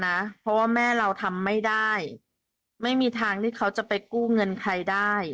เพราะว่าแม่เราทำไม่ได้ไม่มีทางที่เขาจะไปกู้เงินใครได้